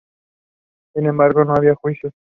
Sin embargo, no había judíos.